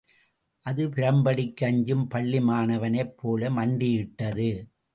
அது பிரம்படிக்கு அஞ்சும் பள்ளி மாணவனைப் போல மண்டியிட்டது.